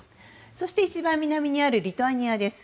そして一番南にあるリトアニアです。